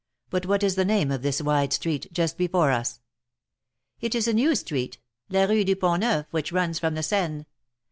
But >vhat is the name of this wide street, just before us?" It is a new street — la Rue du Pont Neuf, which runs from the Seine.